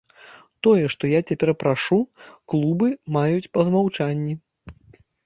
Тое, што я цяпер прашу, клубы маюць па змаўчанні.